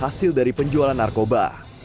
hasil dari penjualan narkoba